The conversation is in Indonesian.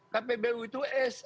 kpbu itu s